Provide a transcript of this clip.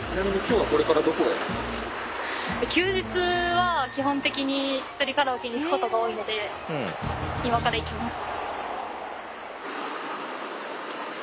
休日は基本的にひとりカラオケに行くことが多いので今から行きます。